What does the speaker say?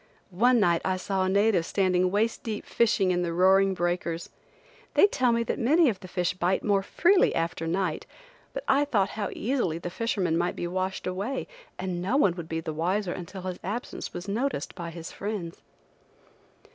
One night I saw a native standing waist deep fishing in the roaring breakers. They tell me that many of the fish bite more freely after night, but I thought how easily the fisherman might be washed away, and no one would be the wiser until his absence was noticed by his friends.